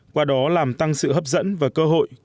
qua đó làm tăng sự hấp dẫn và cơ hội